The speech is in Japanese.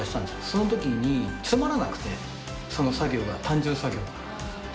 そのときに、つまらなくて、その作業が、単純作業で。